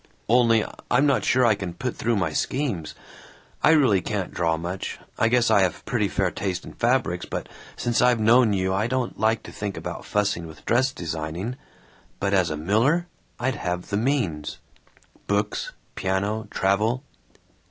"Only I'm not sure I can put through my schemes. I really can't draw much. I guess I have pretty fair taste in fabrics, but since I've known you I don't like to think about fussing with dress designing. But as a miller, I'd have the means books, piano, travel."